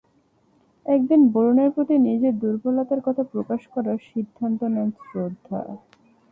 একদিন বরুণের প্রতি নিজের দুর্বলতার কথা প্রকাশ করার সিদ্ধান্ত নেন শ্রদ্ধা।